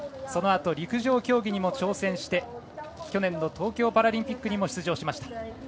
そのあと陸上競技にも挑戦して去年の東京パラリンピックにも出場しました。